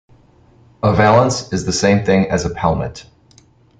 A valance is the same thing as a pelmet